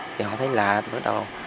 thì họ thấy lạ từ bắt đầu